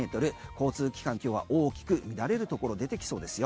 交通機関、今日は大きく乱れるところ出てきそうですよ。